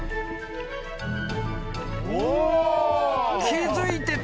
［気付いてた。